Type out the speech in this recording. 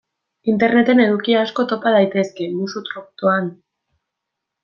Interneten eduki asko topa daitezke musu-truk, doan.